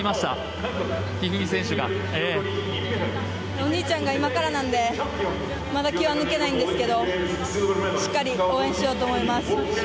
お兄ちゃんが今からなのでまだ気は抜けないんですがしっかり応援したいと思います。